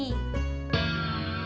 nanti keburu maghrib